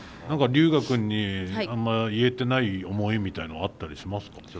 何かリュウガ君にあんま言えてない思いみたいなのあったりしますか？